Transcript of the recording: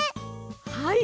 はい！